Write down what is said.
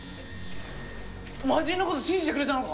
魔人の事信じてくれたのか！？